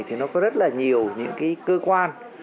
thì nó có rất là nhiều những cái cơ quan